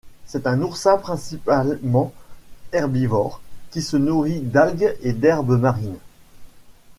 C'est un oursin principalement herbivore, qui se nourrit d'algues et d'herbes marines.